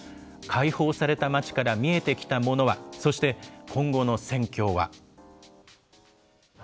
解放された街から見えてきたものは、そして、今後の戦況は。